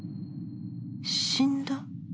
死んだ？